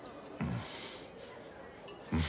うん。